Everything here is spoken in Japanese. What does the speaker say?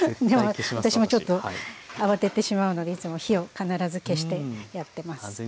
でも私もちょっと慌ててしまうのでいつも火を必ず消してやってます。